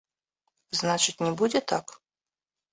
Значыць, не будзе так?